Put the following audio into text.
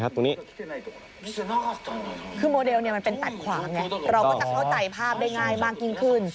ตรงนี้คือโมเดลมันเป็นตัดขวาไงเราก็จะเข้าใจภาพได้ง่ายมากยิ่งขึ้น